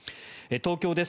東京です。